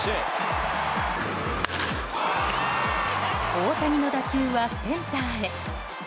大谷の打球はセンターへ。